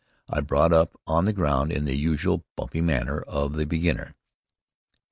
I brought up on the ground in the usual bumpy manner of the beginner.